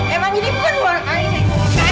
emang ini bukan uang aliran